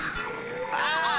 ああ！